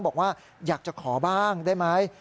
บอกว่าอยากจะขอบ้างได้ไหม